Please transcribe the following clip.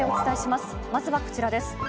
まずはこちらです。